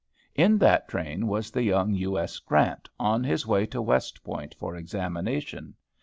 In that train was the young U. S. Grant, on his way to West Point for examination.